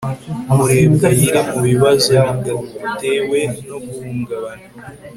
Murebwayire mubibazo bitatewe no guhungabana